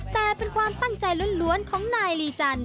แต่เป็นความตั้งใจล้วนของนายลีจันท